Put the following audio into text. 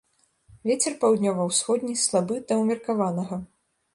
Вецер паўднёва-ўсходні слабы да ўмеркаванага.